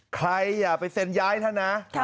ใครอย่าไปเซ็นย้ายเท่านั้นนะ